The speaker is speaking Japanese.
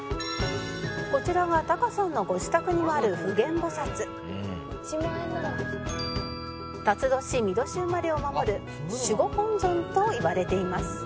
「こちらがタカさんのご自宅にもある普賢菩薩」「辰年巳年生まれを守る守護本尊といわれています」